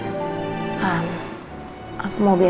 kamu mempunyai perangkat yang melemahkan lokalavezasi